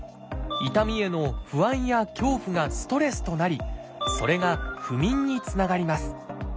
痛みへの不安や恐怖がストレスとなりそれが不眠につながります。